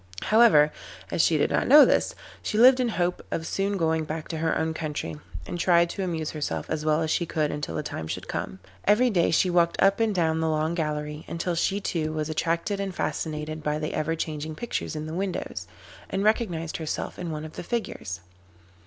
However, as she did not know this, she lived in hope of soon going back to her own country, and tried to amuse herself as well as she could until the time should come. Every day she walked up and down the long gallery, until she too was attracted and fascinated by the ever changing pictures in the windows, and recognised herself in one of the figures.